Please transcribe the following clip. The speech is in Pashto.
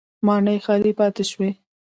ماڼۍ خالي پاتې شوې